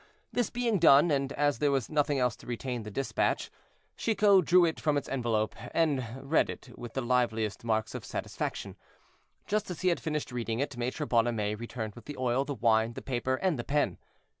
This being done, and as there was nothing else to retain the dispatch, Chicot drew it from its envelope, and read it with the liveliest marks of satisfaction. Just as he had finished reading it, Maître Bonhomet returned with the oil, the wine, the paper, and the pen.